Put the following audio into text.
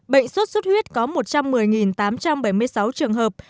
bệnh sốt xuất huyết có một trăm một mươi tám trăm bảy mươi sáu trường hợp